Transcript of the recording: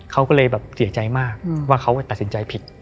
เขาก็เลยแบบเสียใจมากว่าเขาตัดสินใจผิด